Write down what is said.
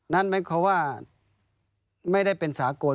นั่นหมายความว่าไม่ได้เป็นสากล